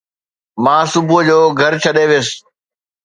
مان صبح جو گهر ڇڏي ويس